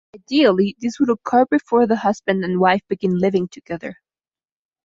Ideally, this would occur before the husband and wife begin living together.